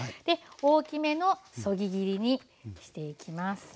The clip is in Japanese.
で大きめのそぎ切りにしていきます。